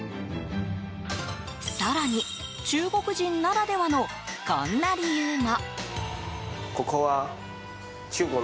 更に、中国人ならではのこんな理由も。